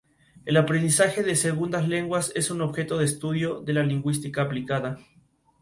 Se encuentran en África: Gabón, República del Congo, Guinea Ecuatorial y Camerún.